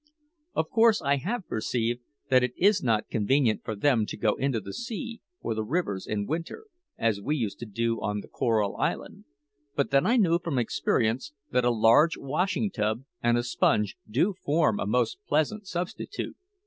Of course, I have perceived that it is not convenient for them to go into the sea or the rivers in winter, as we used to do on the Coral Island; but then I knew from experience that a large washing tub and a sponge do form a most pleasant substitute.